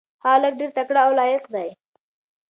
هغه هلک ډېر تکړه او لایق دی.